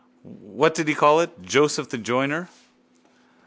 What did he call it? Joseph the Joiner?